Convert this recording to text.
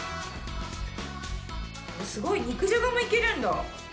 すごい！肉じゃがもいけるんだ。